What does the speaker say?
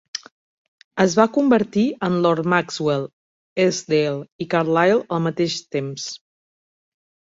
Es va convertir en lord Maxwell, Eskdale i Carlyle al mateix temps.